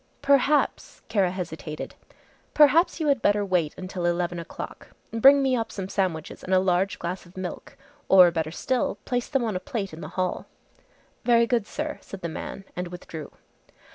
"Perhaps" Kara hesitated, "perhaps you had better wait until eleven o'clock. Bring me up some sandwiches and a large glass of milk. Or better still, place them on a plate in the hall." "Very good, sir," said the man and withdrew.